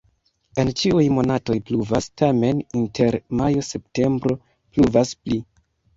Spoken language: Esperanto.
En ĉiuj monatoj pluvas, tamen inter majo-septembro pluvas pli.